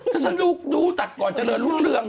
ถ้าฉันดูตัดก่อนเจริญรุ่งเรือง